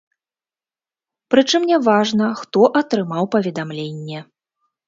Прычым няважна, хто атрымаў паведамленне.